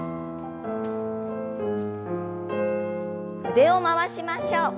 腕を回しましょう。